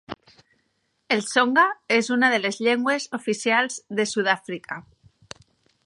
El tsonga és una de les llengües oficials de Sud-àfrica.